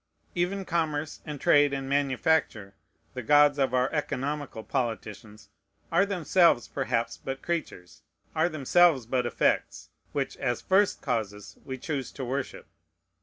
Even commerce, and trade, and manufacture, the gods of our economical politicians, are themselves perhaps but creatures, are themselves but effects, which, as first causes, we choose to worship.